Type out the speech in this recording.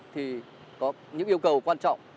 thì có những yêu cầu quan trọng